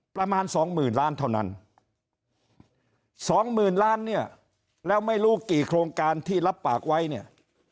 ประมาณ๒๐๐๐๐ล้านเท่านั้น๒๐๐๐๐ล้านเนี่ยแล้วไม่รู้กี่โครงการที่รับปากไว้เนี่ย